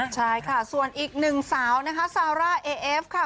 ใช่ค่ะส่วนอีกหนึ่งสาวนะคะซาร่าเอเอฟค่ะ